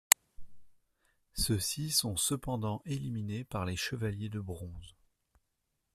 Ceux-ci sont cependant éliminés par les Chevaliers de Bronze.